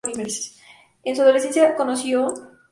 En su adolescencia conoció a Charles Dickens y a Dostoyevski.